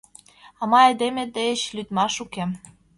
А мый айдеме деч лӱдмаш уке.